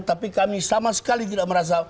tapi kami sama sekali tidak merasa